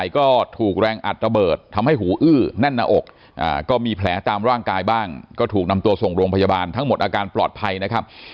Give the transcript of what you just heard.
ก็ถูกนำตัวส่งโรงพยาบาลทั้งหมดอาการปลอดภัยนะครับ